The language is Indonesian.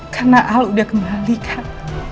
karena alu udah kembali kak